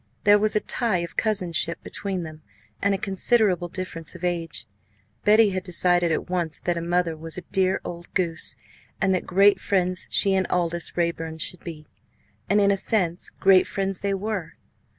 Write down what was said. There was a tie of cousinship between them, and a considerable difference of age. Betty had decided at once that a mother was a dear old goose, and that great friends she and Aldous Raeburn should be and, in a sense, great friends they were.